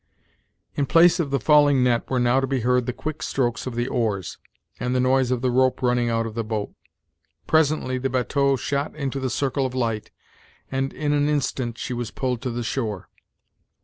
In place of the falling net were now to be heard the quick strokes of the oars, and the noise of the rope running out of the boat. Presently the batteau shot into the circle of light, and in an instant she was pulled to the shore.